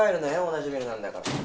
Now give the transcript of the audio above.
同じビルなんだから。